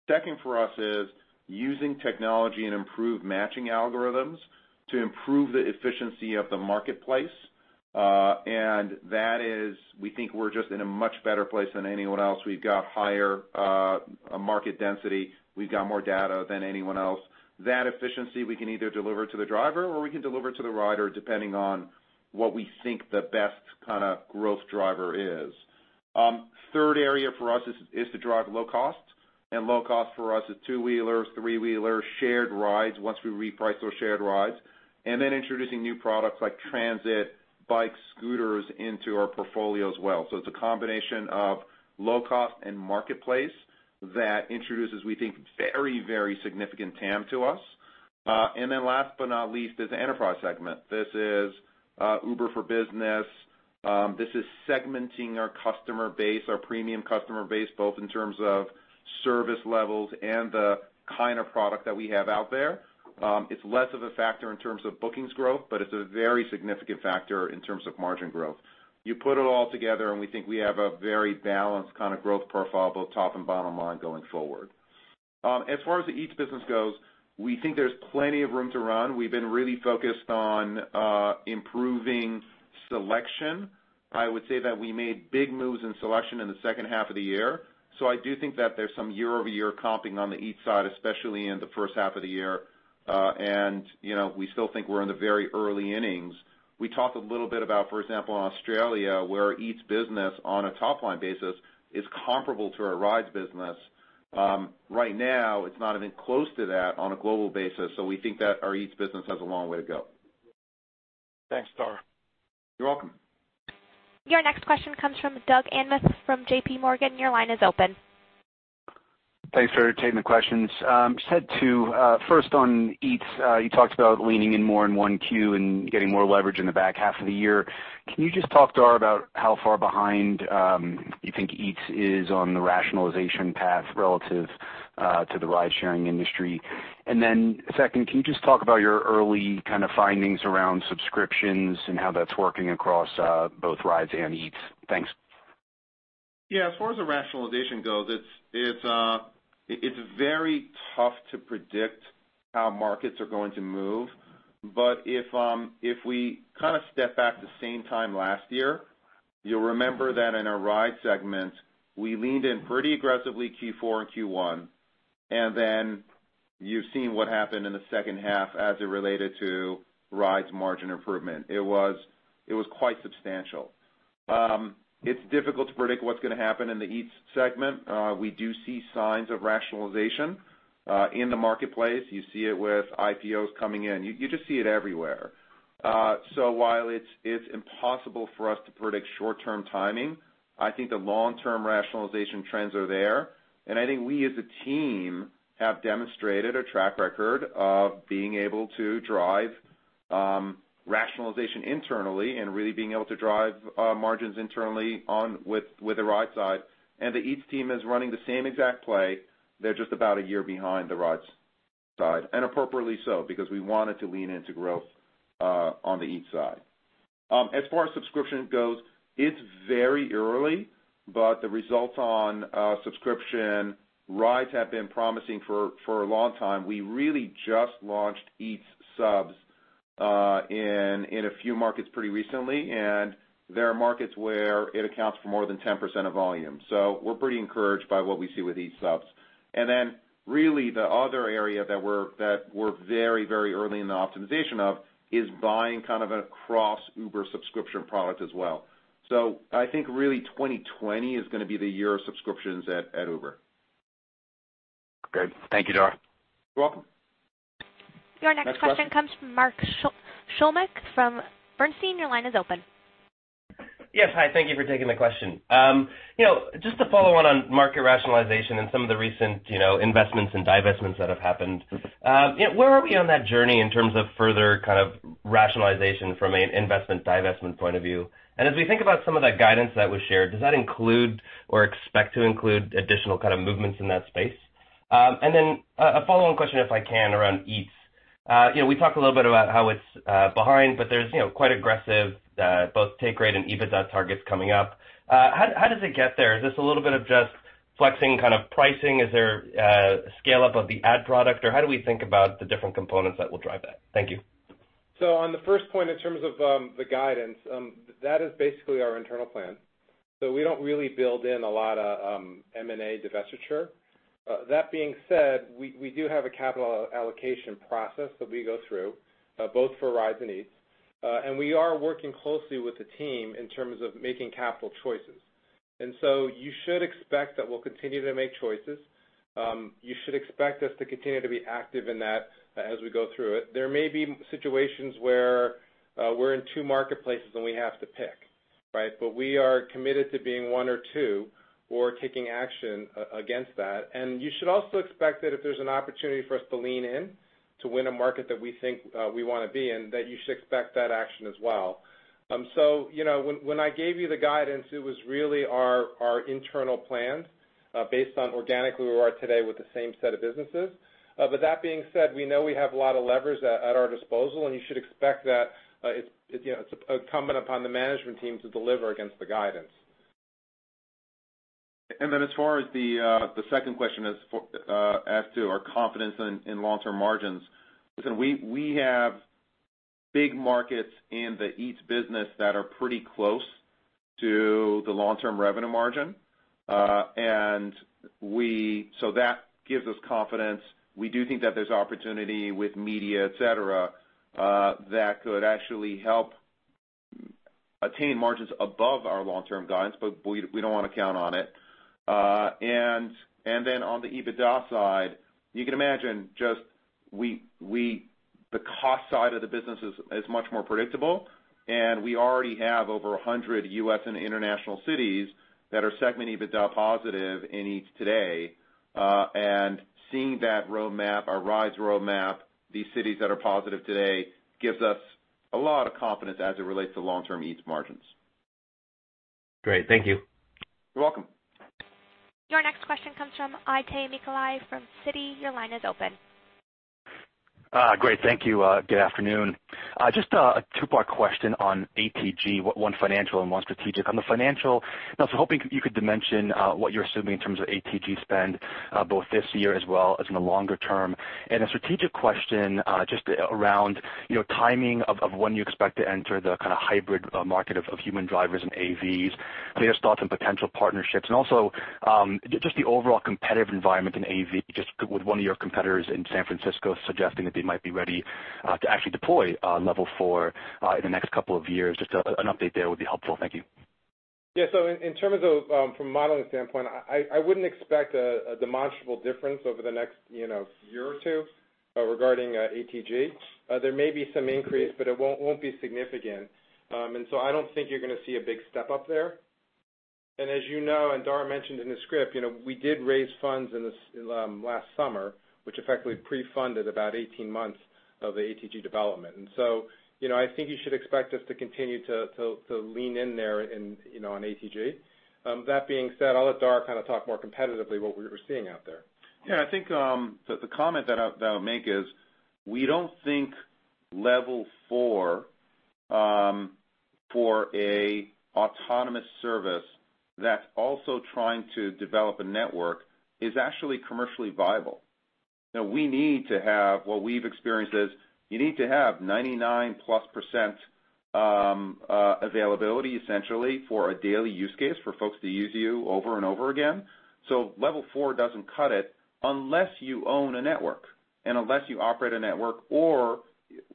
Second for us is using technology and improved matching algorithms to improve the efficiency of the marketplace. That is, we think we're just in a much better place than anyone else. We've got higher market density. We've got more data than anyone else. That efficiency we can either deliver to the driver or we can deliver to the rider, depending on what we think the best kind of growth driver is. Third area for us is to drive low cost, low cost for us is two-wheelers, three-wheelers, Shared Rides, once we reprice those Shared Rides. Introducing new products like transit, bikes, scooters into our portfolio as well. It's a combination of low cost and marketplace that introduces, we think, very, very significant TAM to us. Last but not least, is the enterprise segment. This is Uber for Business. This is segmenting our customer base, our premium customer base, both in terms of service levels and the kind of product that we have out there. It's less of a factor in terms of bookings growth, but it's a very significant factor in terms of margin growth. You put it all together, we think we have a very balanced kind of growth profile, both top and bottom line going forward. As far as the Eats business goes, we think there's plenty of room to run. We've been really focused on improving selection. I would say that we made big moves in selection in the second half of the year. I do think that there's some YoY comping on the Eats side, especially in the first half of the year. We still think we're in the very early innings. We talked a little bit about, for example, in Australia, where our Eats business, on a top-line basis, is comparable to our Rides business. Right now, it's not even close to that on a global basis, so we think that our Eats business has a long way to go. Thanks, Dara. You're welcome. Your next question comes from Doug Anmuth from JP Morgan. Your line is open. Thanks for taking the questions. Just had two. First, on Eats, you talked about leaning in more in 1Q and getting more leverage in the back half of the year. Can you just talk, Dara, about how far behind you think Eats is on the rationalization path relative to the Ridesharing industry? Second, can you just talk about your early kind of findings around subscriptions and how that's working across both Rides and Eats? Thanks. Yeah. As far as the rationalization goes, it's very tough to predict how markets are going to move. If we kind of step back to same time last year, you'll remember that in our Rides segment, we leaned in pretty aggressively Q4 and Q1, and then you've seen what happened in the second half as it related to Rides margin improvement. It was quite substantial. It's difficult to predict what's going to happen in the Eats segment. We do see signs of rationalization in the marketplace. You see it with IPOs coming in. You just see it everywhere. While it's impossible for us to predict short-term timing, I think the long-term rationalization trends are there, and I think we, as a team, have demonstrated a track record of being able to drive rationalization internally and really being able to drive margins internally on with the Rides side. The Eats team is running the same exact play. They're just about a year behind the Rides side, and appropriately so, because we wanted to lean into growth on the Eats side. As far as subscription goes, it's very early, but the results on subscription Rides have been promising for a long time. We really just launched Eats Pass in a few markets pretty recently, and there are markets where it accounts for more than 10% of volume. We're pretty encouraged by what we see with Eats Pass. Really the other area that we're very, very early in the optimization of is buying kind of an across Uber subscription product as well. I think really 2020 is going to be the year of subscriptions at Uber. Good. Thank you, Dara. You're welcome. Your next question comes from Mark Shmulik from Bernstein. Your line is open. Yes. Thank you for taking the question. Just to follow on market rationalization and some of the recent investments and divestments that have happened. Where are we on that journey in terms of further kind of rationalization from an investment/divestment point of view? As we think about some of that guidance that was shared, does that include or expect to include additional kind of movements in that space? A follow-on question, if I can, around Eats. We talked a little bit about how it's behind, but there's quite aggressive, both take rate and EBITDA targets coming up. How does it get there? Is this a little bit of just flexing kind of pricing? Is there a scale-up of the ad product? How do we think about the different components that will drive that? Thank you. On the first point, in terms of the guidance, that is basically our internal plan. We don't really build in a lot of M&A divestiture. That being said, we do have a capital allocation process that we go through, both for Rides and Eats. We are working closely with the team in terms of making capital choices. You should expect that we'll continue to make choices. You should expect us to continue to be active in that as we go through it. There may be situations where we're in two marketplaces, and we have to pick, right? We are committed to being one or two, or taking action against that. You should also expect that if there's an opportunity for us to lean in to win a market that we think we want to be in, that you should expect that action as well. When I gave you the guidance, it was really our internal plans, based on organically where we are today with the same set of businesses. That being said, we know we have a lot of levers at our disposal, and you should expect that it's incumbent upon the management team to deliver against the guidance. As far as the second question as to our confidence in long-term margins, listen, we have big markets in the Eats business that are pretty close to the long-term revenue margin. That gives us confidence. We do think that there's opportunity with media, et cetera, that could actually help attain margins above our long-term guidance, but we don't want to count on it. On the EBITDA side, you can imagine, the cost side of the business is much more predictable, and we already have over 100 U.S. and international cities that are segment EBITDA positive in Eats today. Seeing that roadmap, our rides roadmap, these cities that are positive today, gives us a lot of confidence as it relates to long-term Eats margins. Great. Thank you. You're welcome. Your next question comes from Itay Michaeli from Citi. Your line is open. Great. Thank you. Good afternoon. Just a two-part question on ATG, one financial and one strategic. On the financial, I was hoping you could dimension what you're assuming in terms of ATG spend, both this year as well as in the longer term. A strategic question, just around timing of when you expect to enter the kind of hybrid market of human drivers and AVs, any thoughts on potential partnerships. Also, just the overall competitive environment in AV, just with one of your competitors in San Francisco suggesting that they might be ready to actually deploy Level 4 in the next couple of years. Just an update there would be helpful. Thank you. Yeah. From a modeling standpoint, I wouldn't expect a demonstrable difference over the next year or two regarding ATG. There may be some increase, but it won't be significant. I don't think you're going to see a big step-up there. As you know, and Dara mentioned in the script, we did raise funds last summer, which effectively pre-funded about 18 months of the ATG development. I think you should expect us to continue to lean in there on ATG. That being said, I'll let Dara kind of talk more competitively what we're seeing out there. Yeah, I think the comment that I'll make is, we don't think Level 4 for an autonomous service that's also trying to develop a network is actually commercially viable. What we've experienced is you need to have 99%+ availability, essentially, for a daily use case for folks to use you over and over again. Level 4 doesn't cut it unless you own a network, and unless you operate a network or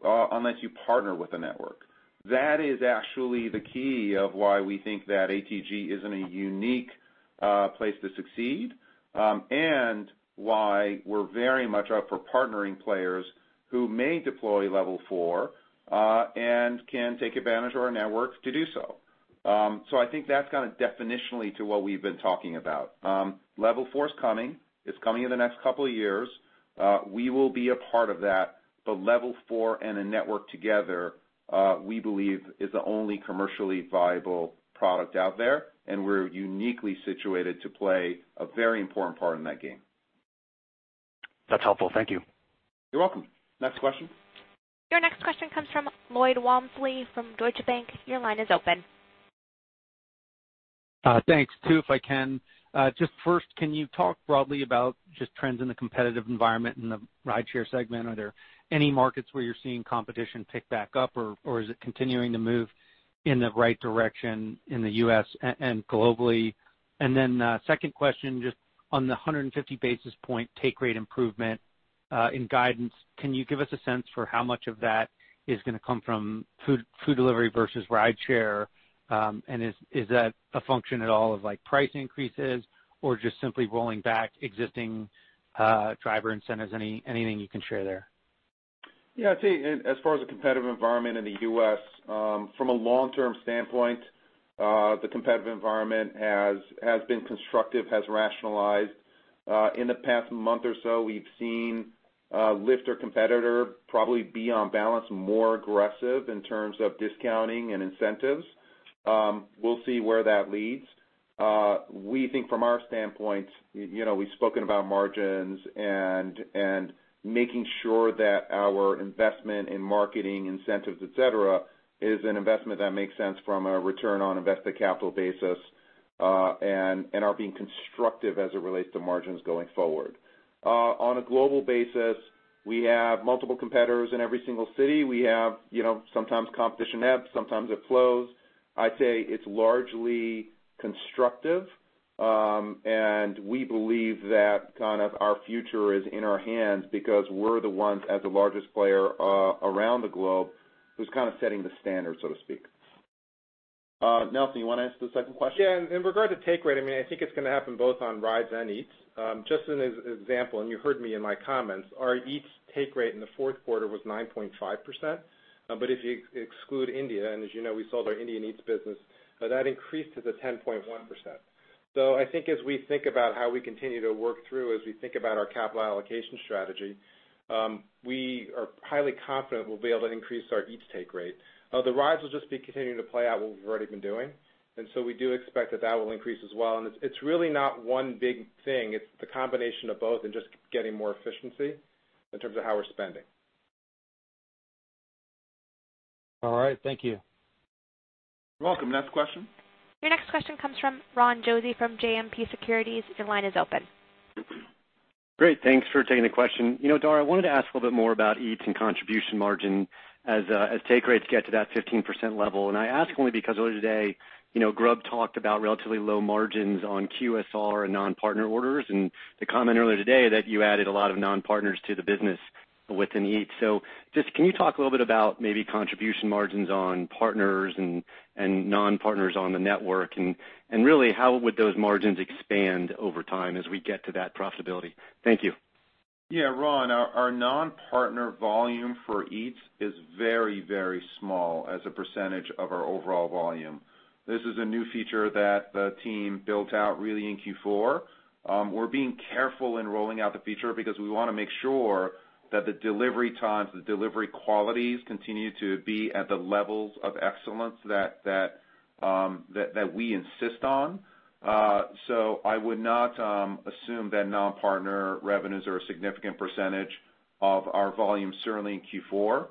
unless you partner with a network. That is actually the key of why we think that ATG is in a unique place to succeed, and why we're very much up for partnering players who may deploy Level 4 and can take advantage of our network to do so. I think that's kind of definitionally to what we've been talking about. Level 4's coming. It's coming in the next couple of years. We will be a part of that, but Level 4 and a network together, we believe is the only commercially viable product out there, and we're uniquely situated to play a very important part in that game. That's helpful. Thank you. You're welcome. Next question. Your next question comes from Lloyd Walmsley from Deutsche Bank. Your line is open. Thanks. Two, if I can. Just first, can you talk broadly about just trends in the competitive environment in the Rideshare segment? Are there any markets where you're seeing competition pick back up, or is it continuing to move in the right direction in the U.S. and globally? Then, second question, just on the 150 basis point take rate improvement in guidance, can you give us a sense for how much of that is going to come from food delivery versus Rideshare? Is that a function at all of price increases or just simply rolling back existing driver incentives? Anything you can share there? Yeah. I'd say, as far as the competitive environment in the U.S., from a long-term standpoint, the competitive environment has been constructive, has rationalized. In the past month or so, we've seen Lyft, our competitor, probably be on balance, more aggressive in terms of discounting and incentives. We'll see where that leads. We think from our standpoint, we've spoken about margins and making sure that our investment in marketing incentives, et cetera, is an investment that makes sense from a return on invested capital basis, and are being constructive as it relates to margins going forward. On a global basis, we have multiple competitors in every single city. We have sometimes competition ebbs, sometimes it flows. I'd say it's largely constructive. We believe that our future is in our hands because we're the ones as the largest player around the globe who's kind of setting the standard, so to speak. Nelson, you want to answer the second question? Yeah. In regard to take rate, I think it's going to happen both on Rides and Eats. Just as an example, and you heard me in my comments, our Eats take rate in the fourth quarter was 9.5%. If you exclude India, and as you know, we sold our Indian Eats business, that increased to the 10.1%. I think as we think about how we continue to work through, as we think about our capital allocation strategy, we are highly confident we'll be able to increase our Eats take rate. The Rides will just be continuing to play out what we've already been doing. We do expect that will increase as well. It's really not one big thing. It's the combination of both and just getting more efficiency in terms of how we're spending. All right. Thank you. You're welcome. Next question? Your next question comes from Ron Josey from JMP Securities. Your line is open. Great. Thanks for taking the question. Dara, I wanted to ask a little bit more about Eats and contribution margin as take rates get to that 15% level. I ask only because earlier today, Grubhub talked about relatively low margins on QSR and non-partner orders, and the comment earlier today that you added a lot of non-partners to the business within Eats. Just can you talk a little bit about maybe contribution margins on partners and non-partners on the network? Really, how would those margins expand over time as we get to that profitability? Thank you. Ron, our non-partner volume for Eats is very, very small as a percentage of our overall volume. This is a new feature that the team built out really in Q4. We're being careful in rolling out the feature because we want to make sure that the delivery times, the delivery qualities, continue to be at the levels of excellence that we insist on. I would not assume that non-partner revenues are a significant percentage of our volume, certainly in Q4.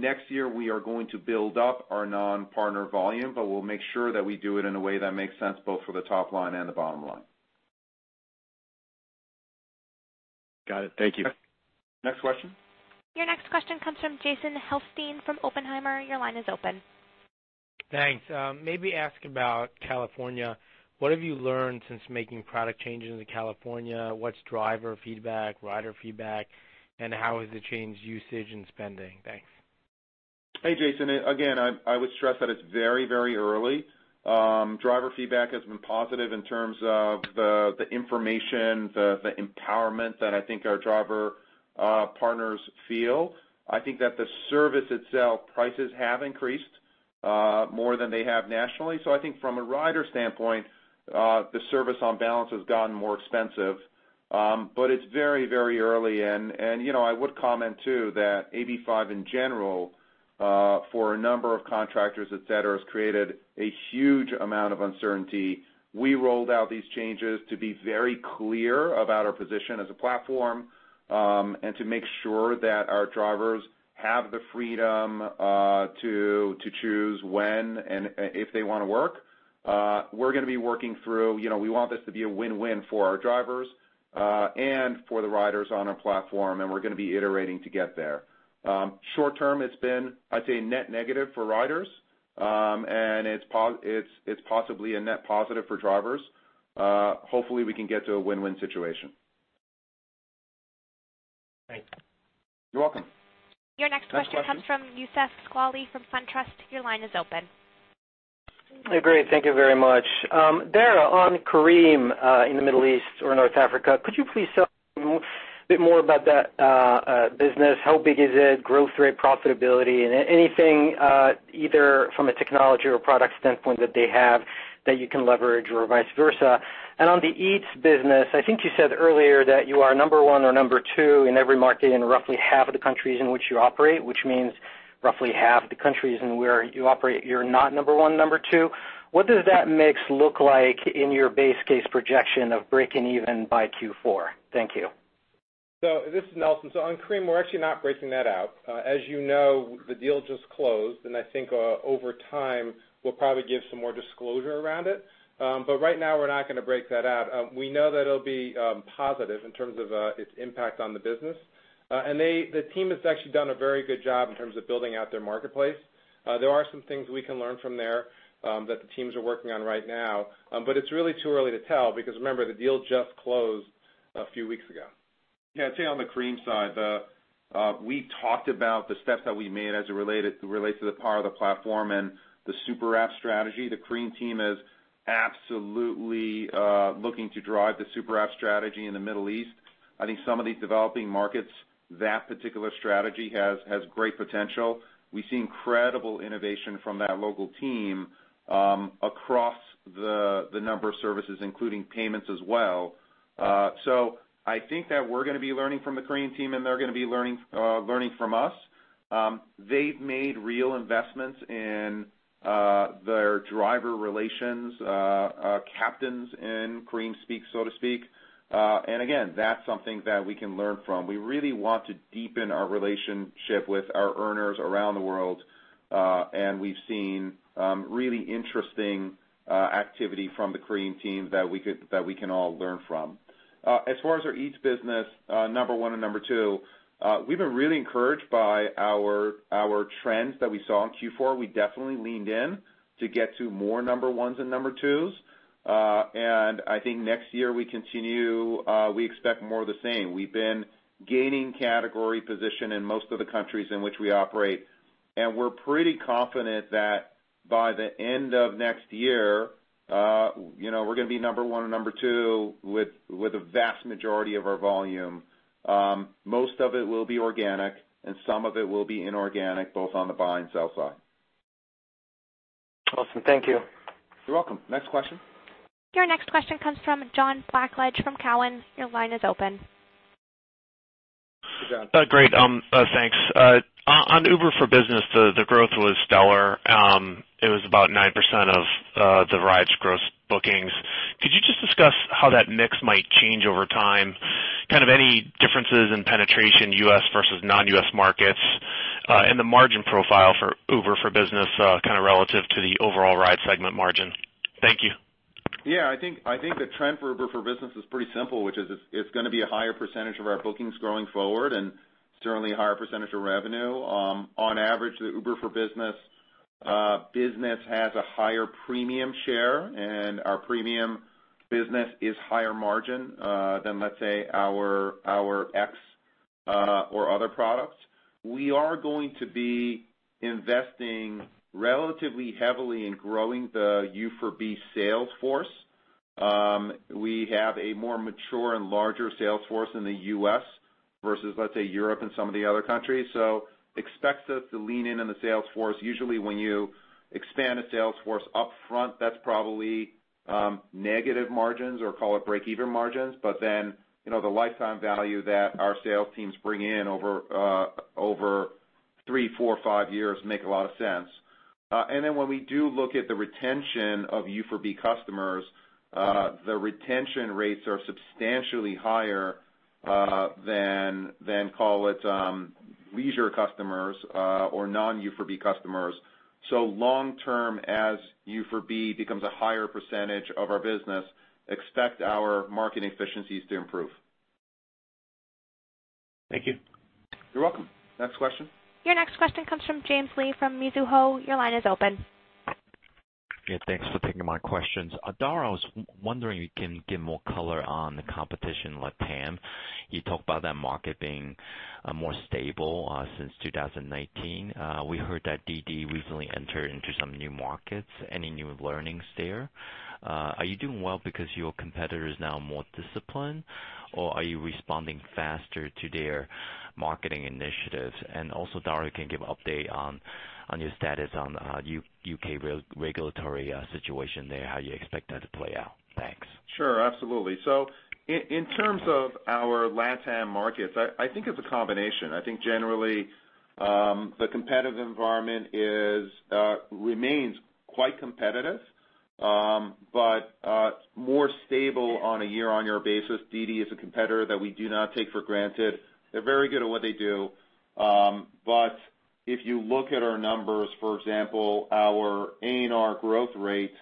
Next year, we are going to build up our non-partner volume, but we'll make sure that we do it in a way that makes sense both for the top line and the bottom line. Got it. Thank you. Next question. Your next question comes from Jason Helfstein from Oppenheimer. Your line is open. Thanks. Maybe ask about California. What have you learned since making product changes in California? What's driver feedback, rider feedback, and how has it changed usage and spending? Thanks. Hey, Jason. I would stress that it's very, very early. Driver feedback has been positive in terms of the information, the empowerment that I think our driver partners feel. I think that the service itself, prices have increased more than they have nationally. I think from a rider standpoint, the service on balance has gotten more expensive. It's very, very early. I would comment, too, that AB5 in general, for a number of contractors, et cetera, has created a huge amount of uncertainty. We rolled out these changes to be very clear about our position as a platform, and to make sure that our drivers have the freedom to choose when and if they want to work. We're going to be working through. We want this to be a win-win for our drivers, and for the riders on our platform, and we're going to be iterating to get there. Short term, it's been, I'd say, net negative for riders, and it's possibly a net positive for drivers. Hopefully, we can get to a win-win situation. Thanks. You're welcome. Your next question comes from Youssef Squali from SunTrust. Your line is open. Great. Thank you very much. Dara, on Careem in the Middle East or North Africa, could you please tell me a bit more about that business, how big is it, growth rate, profitability, and anything either from a technology or product standpoint that they have that you can leverage or vice versa? On the Eats business, I think you said earlier that you are number one or number two in every market in roughly half of the countries in which you operate, which means roughly half the countries in where you operate, you're not number one, number two. What does that mix look like in your base case projection of breaking even by Q4? Thank you. This is Nelson. On Careem, we're actually not breaking that out. As you know, the deal just closed, and I think over time, we'll probably give some more disclosure around it. Right now, we're not going to break that out. We know that it'll be positive in terms of its impact on the business. The team has actually done a very good job in terms of building out their marketplace. There are some things we can learn from there that the teams are working on right now. It's really too early to tell because remember, the deal just closed a few weeks ago. Yeah, I'd say on the Careem side, we talked about the steps that we made as it relates to the power of the platform and the super app strategy. The Careem team is absolutely looking to drive the super app strategy in the Middle East. I think some of these developing markets, that particular strategy has great potential. We see incredible innovation from that local team across the number of services, including payments as well. I think that we're going to be learning from the Careem team and they're going to be learning from us. They've made real investments in their driver relations, captains in Careem speak, so to speak. Again, that's something that we can learn from. We really want to deepen our relationship with our earners around the world, and we've seen really interesting activity from the Careem team that we can all learn from. As far as our Eats business, number one and number two, we've been really encouraged by our trends that we saw in Q4. We definitely leaned in to get to more number ones and number twos. I think next year we expect more of the same. We've been gaining category position in most of the countries in which we operate, and we're pretty confident that by the end of next year, we're going to be number one or number two with a vast majority of our volume. Most of it will be organic, and some of it will be inorganic, both on the buy and sell side. Awesome. Thank you. You're welcome. Next question? Your next question comes from John Blackledge from Cowen. Your line is open. Hey, John. Great. Thanks. On Uber for Business, the growth was stellar. It was about 9% of the Rides gross bookings. Could you just discuss how that mix might change over time? Kind of any differences in penetration, US versus non-US markets, and the margin profile for Uber for Business, kind of relative to the overall ride segment margin. Thank you. I think the trend for Uber for Business is pretty simple, which is it's going to be a higher percentage of our bookings going forward and certainly a higher percentage of revenue. On average, the Uber for Business business has a higher premium share, and our premium business is higher margin, than let's say, our UberX, or other products. We are going to be investing relatively heavily in growing the U for B sales force. We have a more mature and larger sales force in the U.S. versus, let's say, Europe and some of the other countries. Expect us to lean into the sales force. Usually when you expand a sales force upfront, that's probably negative margins or call it break-even margins. The lifetime value that our sales teams bring in over three, four, five years make a lot of sense. When we do look at the retention of U for B customers, the retention rates are substantially higher, than call it, leisure customers, or non-U for B customers. Long term, as U for B becomes a higher percentage of our business, expect our market efficiencies to improve. Thank you. You're welcome. Next question? Your next question comes from James Lee from Mizuho. Your line is open. Yeah, thanks for taking my questions. Dara, I was wondering if you can give more color on the competition, LATAM. You talked about that market being more stable since 2019. We heard that DiDi recently entered into some new markets. Any new learnings there? Are you doing well because your competitor is now more disciplined, or are you responding faster to their marketing initiatives? Also, Dara, can give update on your status on U.K. regulatory situation there, how you expect that to play out? Thanks. Sure, absolutely. In terms of our LATAM markets, I think it's a combination. I think generally, the competitive environment remains quite competitive, but more stable on a year-on-year basis. DiDi is a competitor that we do not take for granted. They're very good at what they do. If you look at our numbers, for example, our ANR growth rate,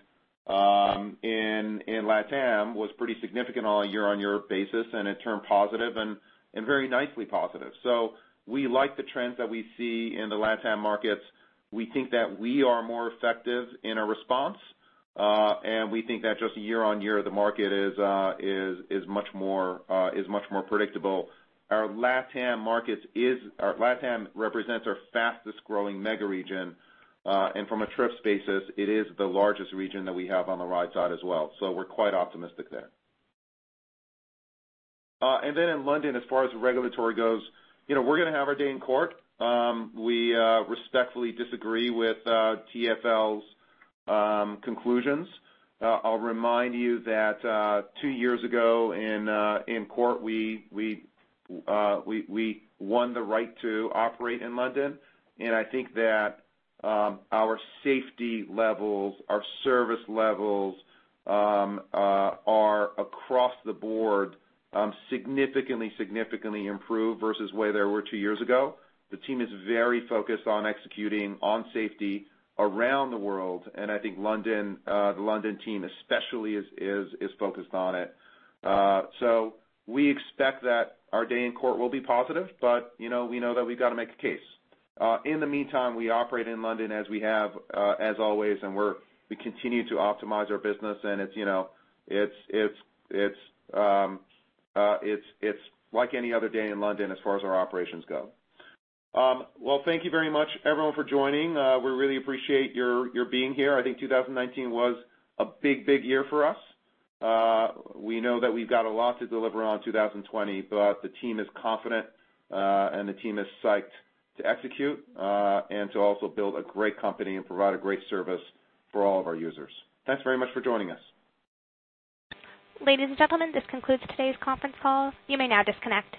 in LATAM was pretty significant on a year-on-year basis, and it turned positive and very nicely positive. We like the trends that we see in the LATAM markets. We think that we are more effective in our response. We think that just year-on-year, the market is much more predictable. Our LATAM represents our fastest-growing mega region. From a trips basis, it is the largest region that we have on the ride side as well. We're quite optimistic there. In London, as far as regulatory goes, we're going to have our day in court. We respectfully disagree with TfL's conclusions. I'll remind you that two years ago in court, we won the right to operate in London, and I think that our safety levels, our service levels are across the board, significantly improved versus where they were two years ago. The team is very focused on executing on safety around the world, and I think the London team especially is focused on it. We expect that our day in court will be positive, but we know that we've got to make a case. In the meantime, we operate in London as we have, as always, and we continue to optimize our business, and it's like any other day in London as far as our operations go. Thank you very much, everyone, for joining. We really appreciate your being here. I think 2019 was a big, big year for us. We know that we've got a lot to deliver on 2020, but the team is confident, and the team is psyched to execute, and to also build a great company and provide a great service for all of our users. Thanks very much for joining us. Ladies and gentlemen, this concludes today's conference call. You may now disconnect.